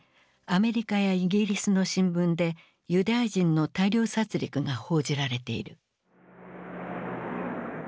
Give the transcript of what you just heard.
アメリカやイギリスの新聞でユダヤ人の大量殺りくが報じられている。